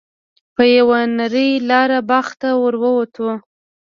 په یوه نرۍ لاره باغ ته ور ووتو.